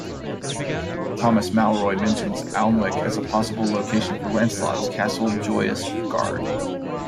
Thomas Malory mentions Alnwick as a possible location for Lancelot's castle Joyous Garde.